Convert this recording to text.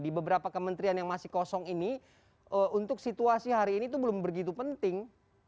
di beberapa kementerian yang masih kosong ini untuk situasi hari ini itu belum begitu penting